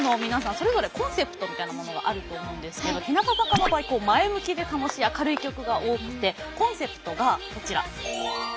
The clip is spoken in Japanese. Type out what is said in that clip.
それぞれコンセプトみたいなものがあると思うんですけど日向坂の場合前向きで楽しい明るい曲が多くてコンセプトがこちら。